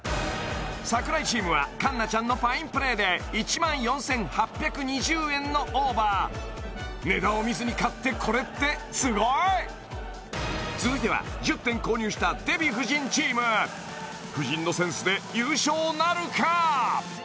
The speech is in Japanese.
櫻井チームは環奈ちゃんのファインプレーで１万４８２０円のオーバー値段を見ずに買ってこれってすごい！続いては１０点購入したデヴィ夫人チーム夫人のセンスで優勝なるか？